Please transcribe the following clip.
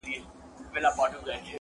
څوک چي ددې دور ملګري او ياران ساتي,